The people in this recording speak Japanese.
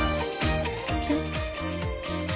えっ？